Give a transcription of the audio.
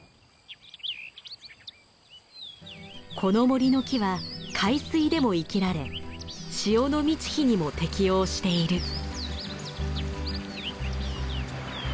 この森の木は海水でも生きられ潮の満ち干にも適応している。